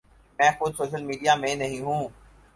میں خود social media میں نہیں ہوں۔